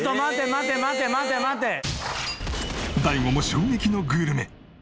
大悟も衝撃のグルメ。